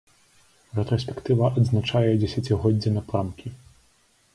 Рэтраспектыва адзначае дзесяцігоддзе напрамкі.